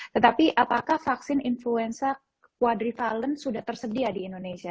tetapi apakah vaksin influenza quadrivalen sudah tersedia di indonesia